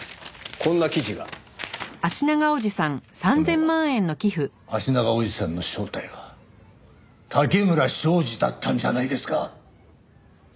この「足長おじさん」の正体は竹村彰二だったんじゃないですか？